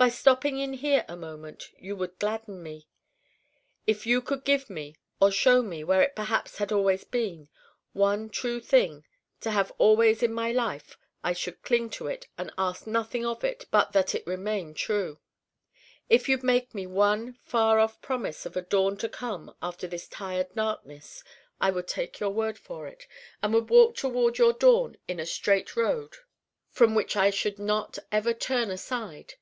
By stopping in here a moment you would gladden me. If you could give me, or show me where it perhaps had always been one true thing to have always in my life I should cling to it and ask nothing of it but that it remain true. If you'd make me one far off promise of a dawn to come after this tired darkness I would take your word for it and would walk toward your dawn in a straight road from which I should not ever turn aside.